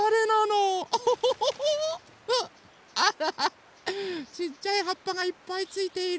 あらちっちゃいはっぱがいっぱいついている。